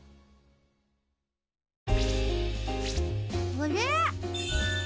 あれ？